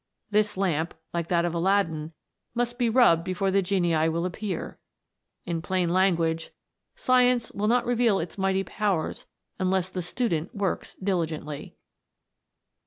This lamp, like that of Aladdin, must be rubbed before the genii will appear ; in plain language, science will not reveal its mighty powers unless the student works diligently.